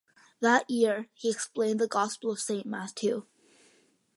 That year he explained the Gospel of Saint Matthew.